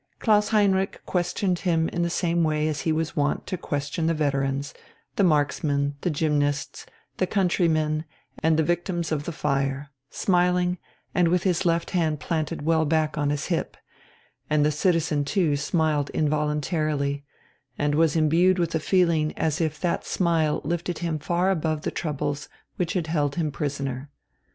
Klaus Heinrich questioned him in the same way as he was wont to question the veterans, the marksmen, the gymnasts, the countrymen, and the victims of the fire, smiling, and with his left hand planted well back on his hip; and the citizen too smiled involuntarily and was imbued with a feeling as if that smile lifted him far above the troubles which had held him prisoner.